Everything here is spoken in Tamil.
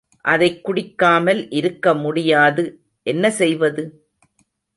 அதைக் குடிக்காமல் இருக்கமுடியாது, என்ன செய்வது?